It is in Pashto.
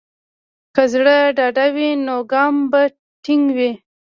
که زړه ډاډه وي، نو ګام به ټینګ وي.